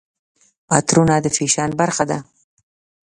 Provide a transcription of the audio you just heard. عطرونه د فیشن برخه ده.